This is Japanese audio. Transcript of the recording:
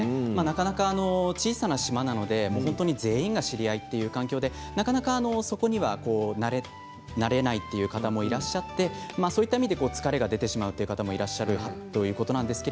小さな島なので全員が知り合いという環境でなかなかそこには慣れないという方もいらっしゃってそういった意味で疲れが出てしまうという方もいらっしゃるということなんです。